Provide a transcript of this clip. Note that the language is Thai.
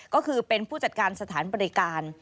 ก็คือเป็นผู้จัดการสถานบริการ